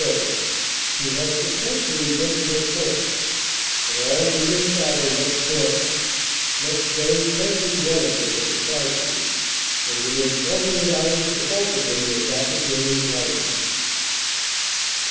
O s who had successfully taken their course, and all went into battle next morning. Next day every one of them was a casualty, and CONFRONTING THE CANAL DU NORD 191 within 48 hours the bulk of them were back again in Blighty.